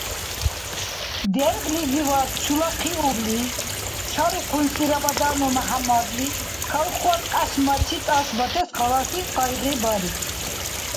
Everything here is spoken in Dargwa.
Дергълизивад чулахъиубли чарухъунси Рабаданов Мяхӏяммадли колхоз кьяшмачи тӏашбатес халаси къайгъи бариб.